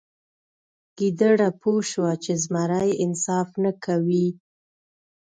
ګیدړه پوه شوه چې زمری انصاف نه کوي.